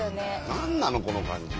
何なのこの感じ。